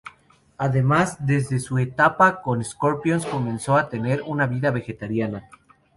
Además, desde su etapa con Scorpions comenzó a tener una vida vegetariana.